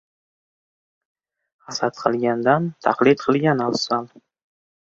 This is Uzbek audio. • Hasad qilgandan taqlid qilgan afzal.